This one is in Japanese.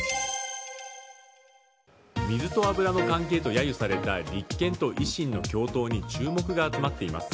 水と油の関係とやゆされた立憲と維新の共闘に注目が集まっています。